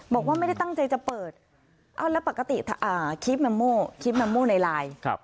บอกว่าไม่ได้ตั้งใจจะเปิดแล้วปกติคลิปนามโม้ในไลน์